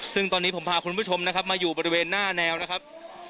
ซึ่งตอนนี้ผมพาคุณผู้ชมนะครับมาอยู่บริเวณหน้าแนวนะครับ